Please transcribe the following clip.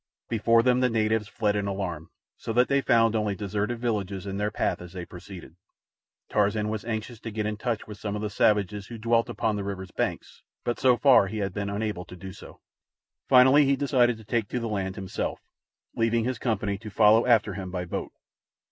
Before them the natives fled in alarm, so that they found only deserted villages in their path as they proceeded. Tarzan was anxious to get in touch with some of the savages who dwelt upon the river's banks, but so far he had been unable to do so. Finally he decided to take to the land himself, leaving his company to follow after him by boat.